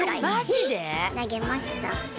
投げました。